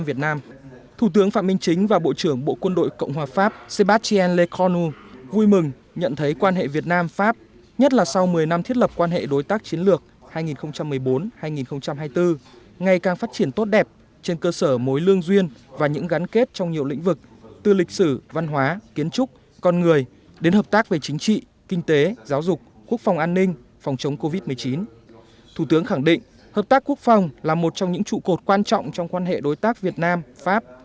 bộ trưởng phạm minh chính cảm ơn bộ trưởng bộ quân đội pháp đã nhận lời mời dự lễ kỷ niệm bảy mươi năm chiến lược việt nam pháp